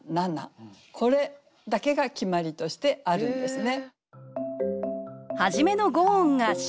これだけが決まりとしてあるんですね。